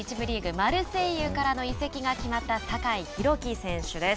マルセイユからの移籍が決まった酒井宏樹選手です。